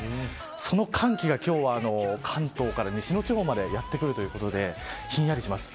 その寒気が今日は関東から西の地方までやってくるということで、ひんやりします。